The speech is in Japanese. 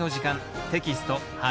テキスト８